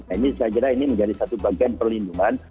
ini saya kira ini menjadi satu bagian perlindungan